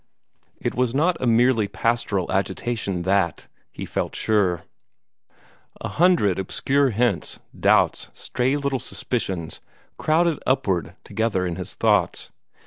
It was not a merely pastoral agitation that, he felt sure. A hundred obscure hints, doubts, stray little suspicions, crowded upward together in his thoughts.